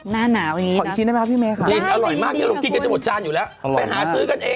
นี่ค่ะขออีกชิ้นได้ไหมครับพี่แม่ค่ะนี่อร่อยมากนี่เรากินกันจะหมดจานอยู่แล้ว